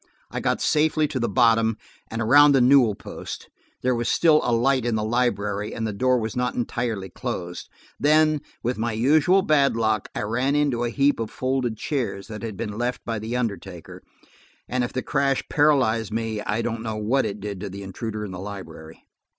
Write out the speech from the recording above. I got safely to the bottom, and around the newel post: there was still a light in the library; and the door was not entirely closed. Then, with my usual bad luck, I ran into a heap of folding chairs that had been left by the undertaker, and if the crash paralyzed me, I don't know what it did to the intruder in the library.